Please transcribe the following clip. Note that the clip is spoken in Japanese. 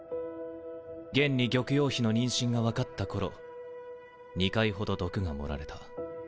現に玉葉妃の妊娠が分かった頃２回ほど毒が盛られた。